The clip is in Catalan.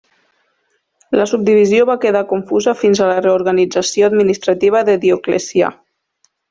La subdivisió va quedar confusa fins a la reorganització administrativa de Dioclecià.